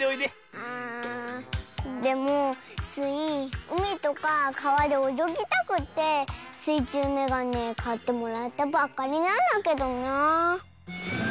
あでもスイうみとかかわでおよぎたくってすいちゅうメガネかってもらったばっかりなんだけどなあ。